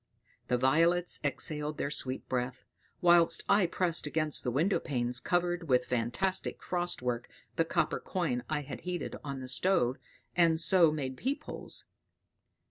The violets exhaled their sweet breath, whilst I pressed against the windowpanes covered with fantastic frost work the copper coin I had heated on the stove, and so made peep holes.